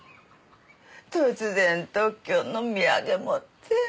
突然東京の土産持って。